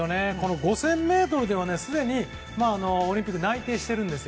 ５０００ｍではすでにオリンピック内定してるんです。